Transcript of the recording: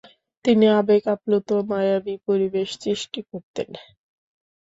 তিনি আবেগ আপ্লুত মায়াবী পরিবেশ সৃষ্টি করতেন।